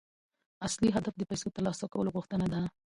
اصلي هدف د پيسو ترلاسه کولو غوښتنه ده.